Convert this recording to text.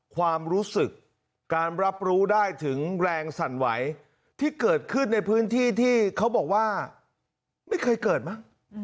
ความรู้สึกการรับรู้ได้ถึงแรงสั่นไหวที่เกิดขึ้นในพื้นที่ที่เขาบอกว่าไม่เคยเกิดมั้ง